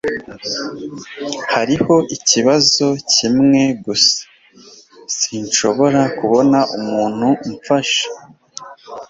Hariho ikibazo kimwe gusa. Sinshobora kubona umuntu umfasha.